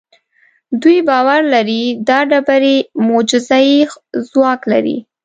دوی باور لري دا ډبرې معجزه اي ځواک لري.